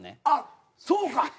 あっそうか。